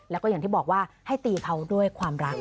แล้วก็อย่างที่บอกว่าให้ตีเขาด้วยความรัก